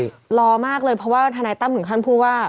รอมากเลยเพราะว่าทนายตั้มถึงขั้นพูดว่า